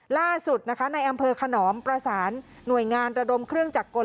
ล่าสุดนะคะในอำเภอขนอมประสานหน่วยงานระดมเครื่องจักรกล